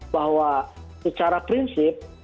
bahwa secara prinsip